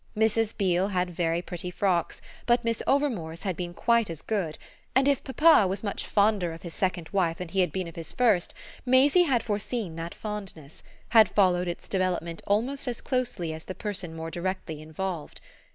Mrs. Beale had very pretty frocks, but Miss Overmore's had been quite as good, and if papa was much fonder of his second wife than he had been of his first Maisie had foreseen that fondness, had followed its development almost as closely as the person more directly involved.